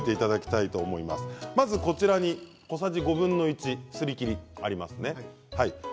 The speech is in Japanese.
まず、こちらに小さじ５分の１すり切りがあります。